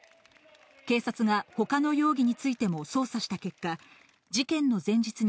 警察がほかの容疑についても捜査した結果、事件の前日に、